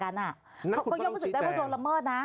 เขาก็ย่อมรู้สึกได้ว่าโดนละเมิดนะ